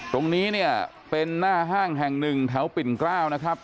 ตรงนี้เนี่ยเป็นหน้าห้างแห่งหนึ่งแถวปิ่นเกล้านะครับ